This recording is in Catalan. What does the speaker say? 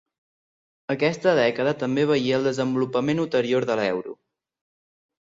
Aquesta dècada també veié el desenvolupament ulterior de l'euro.